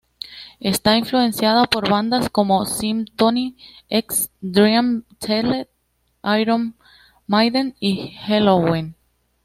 Está influenciada por bandas como "Symphony X", Dream Theater, Iron Maiden y Helloween.